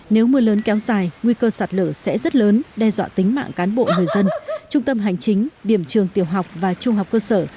nếu mưa lớn kéo dài nguy cơ sạt lở sẽ rất lớn đe dọa tính mạng cán bộ người dân trung tâm hành chính điểm trường tiểu học và trung học cơ sở